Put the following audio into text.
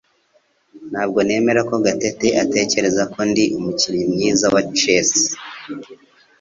Ntabwo nemera ko Gatete atekereza ko ndi umukinnyi mwiza wa chess